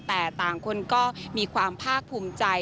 แต่ต่างคนก็มีความภาคภูมิใจ